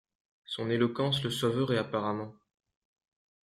Son éloquence le sauverait apparemment.